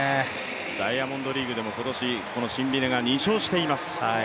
ダイヤモンドリーグでも今年、このシンビネが２勝しています。